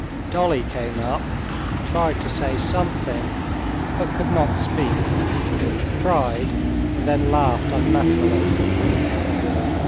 Dolly came up, tried to say something, but could not speak, cried, and then laughed unnaturally.